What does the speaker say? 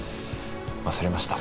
忘れました。